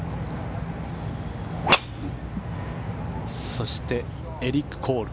そしてエリック・コール。